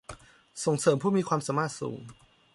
ส่งเสริมผู้มีความสามารถสูง